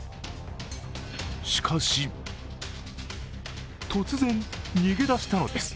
しかし、突然逃げ出したのです。